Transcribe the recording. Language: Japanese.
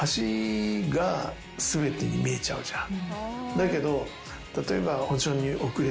だけど例えば。